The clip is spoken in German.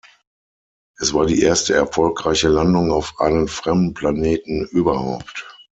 Es war die erste erfolgreiche Landung auf einem fremden Planeten überhaupt.